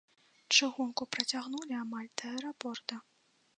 Чыгунку працягнулі амаль да аэрапорта.